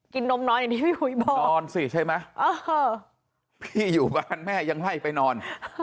นมน้อยอย่างที่พี่อุ๋ยบอกนอนสิใช่ไหมเออพี่อยู่บ้านแม่ยังไล่ไปนอน